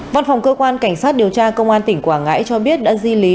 văn phòng cơ quan cảnh sát điều tra công an tỉnh quảng ngãi cho biết đã di lý